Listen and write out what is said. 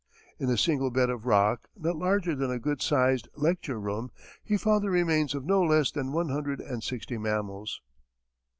In a single bed of rock not larger than a good sized lecture room, he found the remains of no less than one hundred and sixty mammals.